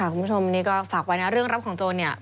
คุณผู้ชมนี่ก็ฝากไว้นะเรื่องรับของโจรเนี่ย